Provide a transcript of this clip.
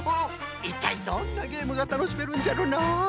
いったいどんなゲームがたのしめるんじゃろな。